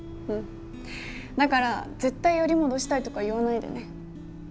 だから絶対より戻したいとか言わないでね。